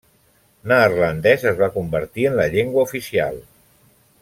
Neerlandès es va convertir en la llengua oficial.